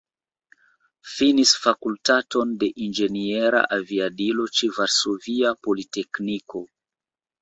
Finis Fakultaton de Inĝeniera Aviado ĉe Varsovia Politekniko.